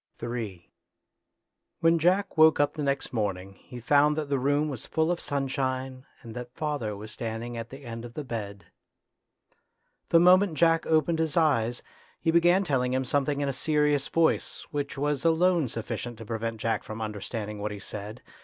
Ill When Jack woke up the next morning he found that the room was full of sunshine, and that father was standing at the end of the bed. The moment Jack opened his eyes, he began telling him something in a serious voice, which was alone sufficient to prevent Jack from understanding what he said.